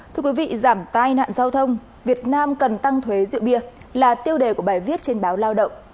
thưa quý vị giảm tai nạn giao thông việt nam cần tăng thuế rượu bia là tiêu đề của bài viết trên báo lao động